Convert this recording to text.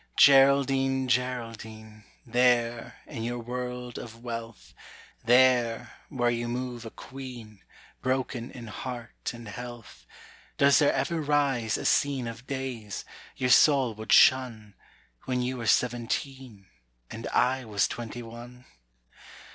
Geraldine, Geraldine, There, in your world of wealth, There, where you move a queen, Broken in heart and health, Does there ever rise a scene Of days, your soul would shun, When you were seventeen, And I was twenty one?